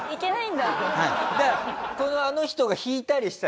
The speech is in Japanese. だからあの人が引いたりしたらダメですね。